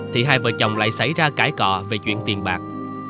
thì hai vợ chồng lại xảy ra cãi cọ về chuyện tiền bạc